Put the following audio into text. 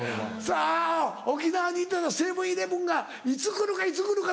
あぁ沖縄にいたらセブン−イレブンがいつ来るかいつ来るか？